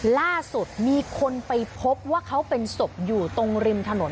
ล่าสุดมีคนไปพบว่าเขาเป็นศพอยู่ตรงริมถนน